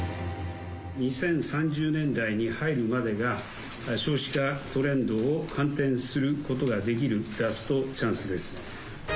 ２０３０年代に入るまでが、少子化トレンドを反転することができるラストチャンスです。